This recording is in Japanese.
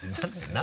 何？